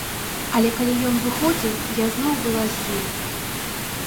Але калі ён выходзіў, я зноў была з ім.